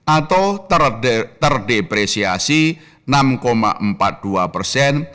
atau terdepresiasi enam empat puluh dua persen